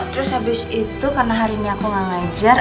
terus habis itu karena hari ini aku gak ngajar